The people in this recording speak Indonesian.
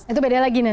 itu beda lagi nanti ya